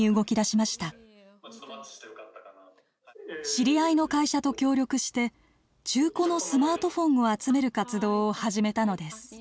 知り合いの会社と協力して中古のスマートフォンを集める活動を始めたのです。